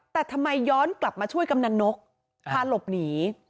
แต่ทำไมย้อนกลับมาช่วยกำนันนกพาหลบหนี